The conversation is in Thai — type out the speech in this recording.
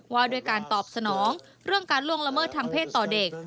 ว่าด้วยการตอบสนองเรื่องการล่วงละเมิดทางเพศต่อเด็ก